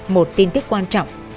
một tin tức quan trọng